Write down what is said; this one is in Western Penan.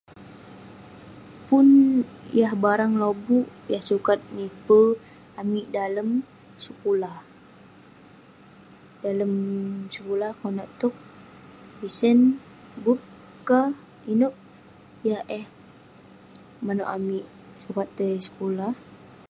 Pun yah barang lobuk, sukat mipe amik dalem sekulah..dalem sekulah konak towk, pisen, bup keh, inouk yah eh..manouk amik sukat tai sekulah